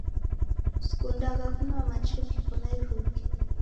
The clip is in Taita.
Sikundagha kunywa machi ghiko na iruke.